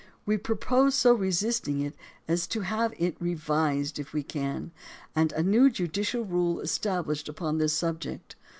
We propose so resisting it as to have it revised if we can, and a new judicial rule established upon this subject.